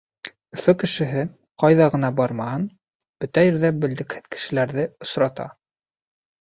Өфө кешеһе, ҡайҙа ғына бармаһын, бөтә ерҙә белдекһеҙ кешеләрҙе осрата.